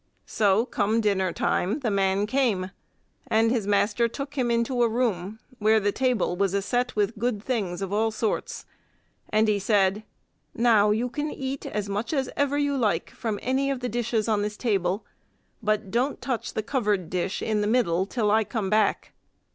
So come dinner time, the man came, and his master took him into a room where the table was a set with good things of all sorts. And he said: "Now, you can eat as much as ever you like from any of the dishes on the table; but don't touch the covered dish in the middle till I come back."